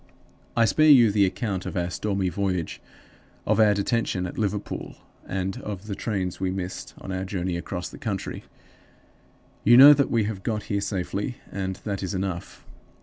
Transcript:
I spare you the account of our stormy voyage, of our detention at Liverpool, and of the trains we missed on our journey across the country. You know that we have got here safely, and that is enough.